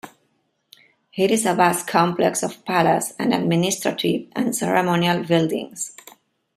It is a vast complex of palaces and administrative and ceremonial buildings.